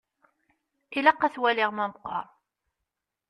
Ilaq ad t-waliɣ ma meqqer.